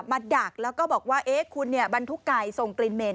ดักแล้วก็บอกว่าเอ๊ะคุณเนี่ยบรรทุกไก่ส่งกลิ่นเหม็น